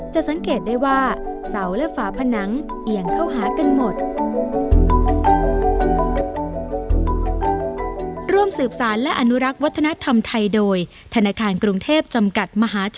สังเกตได้ว่าเสาและฝาผนังเอียงเข้าหากันหมด